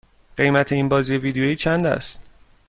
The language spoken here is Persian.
قیمت این بازی ویدیویی چند است؟